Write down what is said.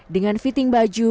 dengan fitting baju